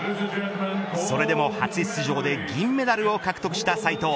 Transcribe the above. それでも初出場で銀メダルを獲得した斉藤。